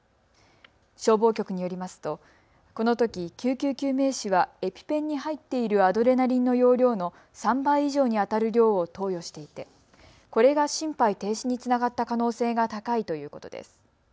消防局によりますとこのとき救急救命士はエピペンに入っているアドレナリンの用量の３倍以上にあたる量を投与していてこれが心肺停止につながった可能性が高いということです。